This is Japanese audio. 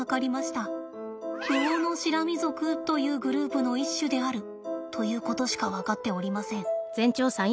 ウオノシラミ属というグループの一種であるということしか分かっておりません。